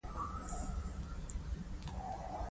په سختۍ سره مې وويل اوبه.